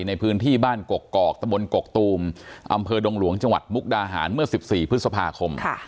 ในพื้นที่บ้านกกอกตะบนกกตูมอำเภอดงหลวงจังหวัดมุกดาหารเมื่อ๑๔พฤษภาคม